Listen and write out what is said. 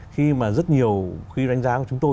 khi mà rất nhiều khi đánh giá của chúng tôi